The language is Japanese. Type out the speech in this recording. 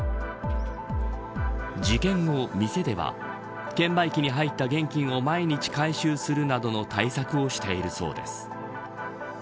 事件後、店では券売機に入った現金を毎日回収するなどの対策をしているそうです。